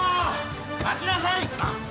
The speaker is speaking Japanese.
待ちなさい！